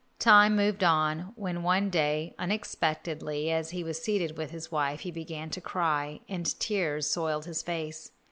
Time moved on, when one day, unexpectedly, as he was seated with his wife, he began to cry and tears soiled his face.